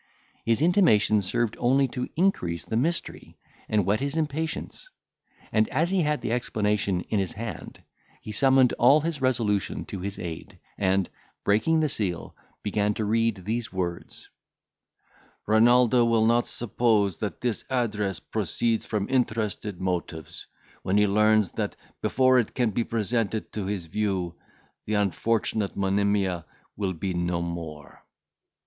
This intimation served only to increase the mystery, and whet his impatience; and as he had the explanation in his hand, he summoned all his resolution to his aid, and, breaking the seal, began to read these words: "Renaldo will not suppose that this address proceeds from interested motives, when he learns, that, before it can be presented to his view, the unfortunate Monimia will be no more."